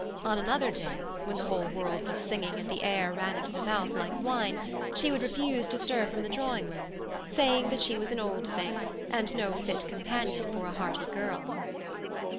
On another day, when the whole world was singing and the air ran into the mouth, like wine, she would refuse to stir from the drawing room, saying that she was an old thing, and no fit companion for a hearty girl.